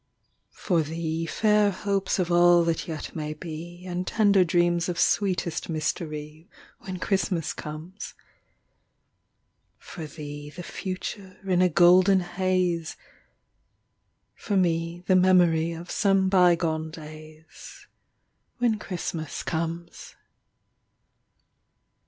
For thee, fair hopes of all that yet may be, And tender dreams of sweetest mystery, When Christmas comes. For thee, the future in a golden haze, For me, the memory of some bygone days, When Christmas comes.